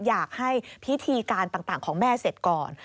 อยากให้พิธีการต่างของแม่เสร็จก่อน